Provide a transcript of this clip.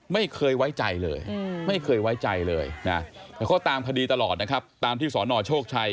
ไม่เคยไว้ใจเลยแต่เขาตามคดีตลอดนะครับตามที่สรโชคชัย